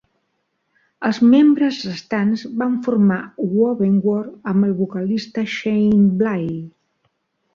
Els membres restants van formar "Wovenwar" amb el vocalista Shane Blay.